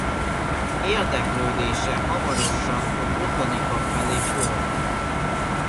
Érdeklődése hamarosan a botanika felé fordult.